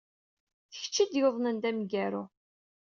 D kecc ay d-yuwḍen d ameggaru.